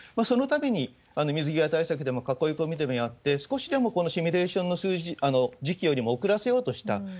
そのために、水際対策でも囲い込みでもやって、少しでもこのシミュレーションの数字、時期よりも遅らせようとした。